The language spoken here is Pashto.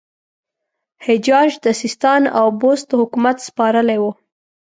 حجاج د سیستان او بست حکومت سپارلی وو.